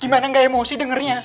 gimana nggak emosi dengernya